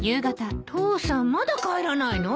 父さんまだ帰らないの？